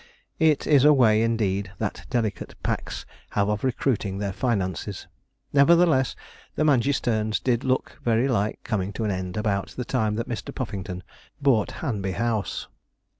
It is a way, indeed, that delicate packs have of recruiting their finances. Nevertheless, the Mangeysternes did look very like coming to an end about the time that Mr. Puffington bought Hanby House.